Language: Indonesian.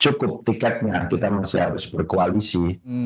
cukup tiketnya kita masih harus berkoalisi